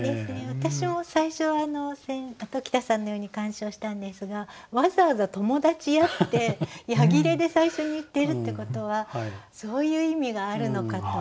私も最初は鴇田さんのように鑑賞したんですがわざわざ「ともだちや」ってや切れで最初に言ってるっていうことはそういう意味があるのかと。